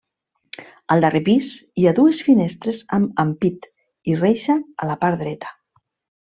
Al darrer pis, hi ha dues finestres amb ampit i reixa a la part dreta.